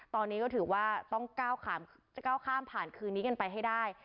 ตอนนี้ก็ถือว่าต้องก้าวข้ามผ่านคืนนี้กันไปให้ได้